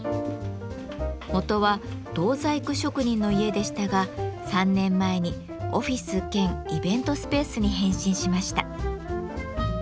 元は銅細工職人の家でしたが３年前にオフィス兼イベントスペースに変身しました。